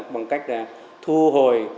bằng cách thu hồi